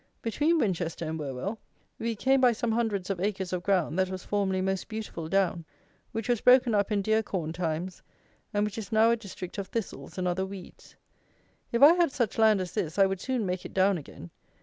Between Winchester and Wherwell we came by some hundreds of acres of ground that was formerly most beautiful down, which was broken up in dear corn times, and which is now a district of thistles and other weeds. If I had such land as this I would soon make it down again.